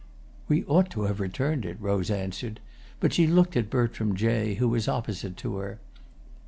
"We ought to have returned it," Rose answered; but she looked at Bertram Jay, who was opposite to her.